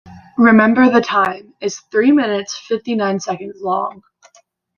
"Remember the Time" is three minutes fifty nine seconds long.